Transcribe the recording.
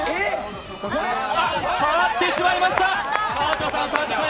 触ってしまいました！